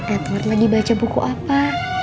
edward lagi baca buku apa